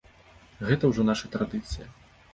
Гэта ўжо наша традыцыя.